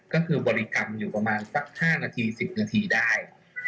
ก็คือบริกรรมอยู่ประมาณสัก๕นาที๑๐นาทีได้